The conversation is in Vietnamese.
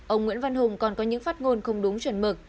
ông nguyễn văn hùng còn có những phát ngôn không đúng chuẩn mực